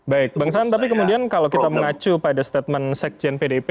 baik bang saran tapi kemudian kalau kita mengacu pada statement sekjen pdip